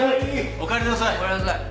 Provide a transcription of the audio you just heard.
おかえりなさい。